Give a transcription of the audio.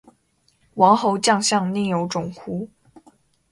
王侯将相，宁有种乎